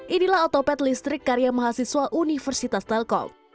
inilah otopet listrik karya mahasiswa universitas telkom